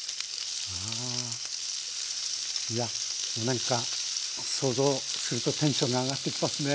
なんか想像するとテンションが上がってきますね。